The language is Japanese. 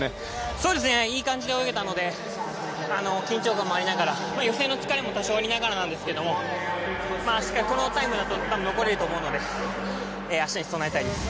いい感じで泳げたので緊張感もありながら予選の疲れも多少ありながらなんですけどこのタイムだったら残れると思うので明日に備えたいです。